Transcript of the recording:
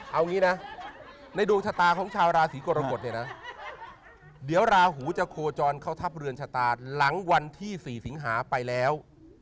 เอางี้นะในดวงชะตาของชาวราศีกรกฎเนี่ยนะเดี๋ยวราหูจะโคจรเข้าทัพเรือนชะตาหลังวันที่๔สิงหาไปแล้ว